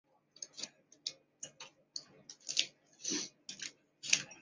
大熊裕司的弟弟。